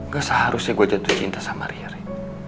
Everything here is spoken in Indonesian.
gak seharusnya gue jatuh cinta sama riri